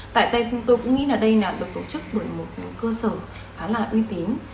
tại đây tôi cũng nghĩ là đây được tổ chức bởi một cơ sở khá là uy tín